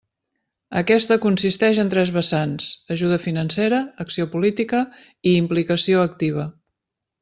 Aquesta consisteix en tres vessants: ajuda financera, acció política i implicació activa.